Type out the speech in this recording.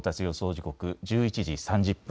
時刻１１時３０分。